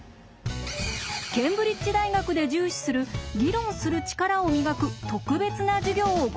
ケンブリッジ大学で重視する議論する力を磨く特別な授業をご紹介しましょう。